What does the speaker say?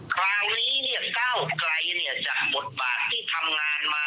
คราวนี้เนี่ยก้าวไกลจากบทบาทที่ทำงานมา